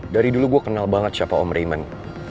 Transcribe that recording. dari dulu gue kenal banget siapa om rayment